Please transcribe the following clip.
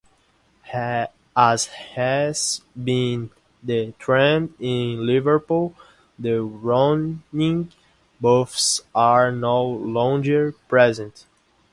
As has been the trend in Liverpool, the rowing boats are no longer present.